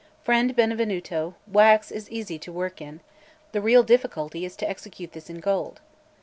Friend Benvenuto, wax is easy to work in; the real difficulty is to execute this in gold."